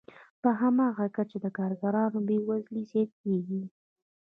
په هماغه کچه د کارګرانو بې وزلي زیاتېږي